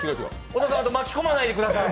小田さん、巻き込まないでください。